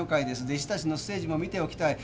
弟子たちのステージも見ておきたい。